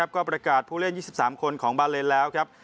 ก็ประกาศผู้เล่น๒๓คนของบาเลนแล้วครับ